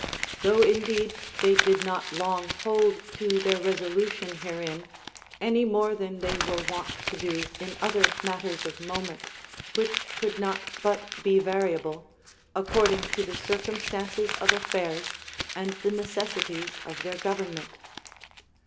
Though indeed they did not long hold to their resolution herein, any more than they were Avont to do in other matters of moment, which could not but be variable, according to the circumstances of affairs and the necessities of their government.